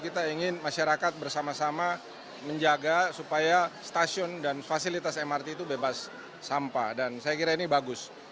kita ingin masyarakat bersama sama menjaga supaya stasiun dan fasilitas mrt itu bebas sampah dan saya kira ini bagus